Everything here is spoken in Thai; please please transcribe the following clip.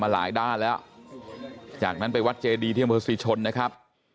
มาหลายด้านแล้วจากนั้นไปวัดเจดีเที่ยวเมืองสี่ชนนะครับ